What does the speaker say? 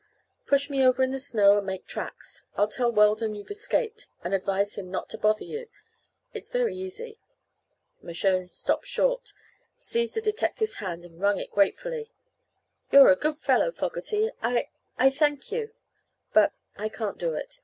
Push me over in the snow and make tracks. I'll tell Weldon you've escaped, and advise him not to bother you. It's very easy." Mershone stopped short, seized the detective's hand and wrung it gratefully. "You're a good fellow, Fogerty. I I thank you. But I can't do it.